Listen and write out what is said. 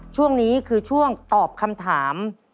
ช่วงนี้คือช่วงตอบคำถาม